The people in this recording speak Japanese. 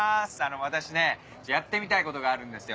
私ねやってみたいことがあるんですよ。